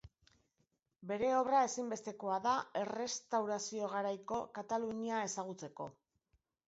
Bere obra ezinbestekoa da Errestaurazio-garaiko Katalunia ezagutzeko.